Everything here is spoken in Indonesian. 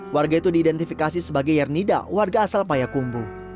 warga itu diidentifikasi sebagai yernida warga asal payakumbu